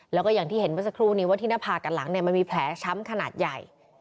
แล้วก็อย่างที่เห็นเมื่อสักครู่นี้ว่าที่หน้าผากกับหลังมันมีแผลช้ำขนาดใหญ่